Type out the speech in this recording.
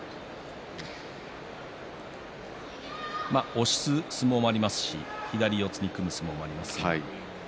押す相撲もありますし左四つに組む相撲もあります。